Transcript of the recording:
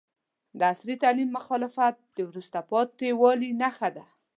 د عصري تعلیم مخالفت د وروسته پاتې والي نښه ده.